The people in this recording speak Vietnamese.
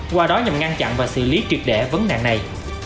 qua đó nhằm ngăn chặn và xử lý triệt để vấn nạn này